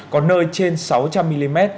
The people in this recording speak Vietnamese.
có nơi trên sáu trăm linh mm